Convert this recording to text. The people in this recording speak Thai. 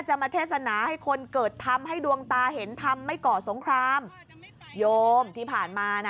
มาเทศนาให้คนเกิดทำให้ดวงตาเห็นธรรมไม่ก่อสงครามโยมที่ผ่านมาน่ะ